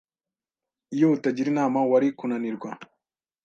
Iyo utagira inama, wari kunanirwa.